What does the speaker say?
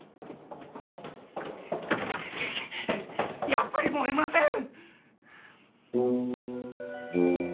やっぱり燃えません！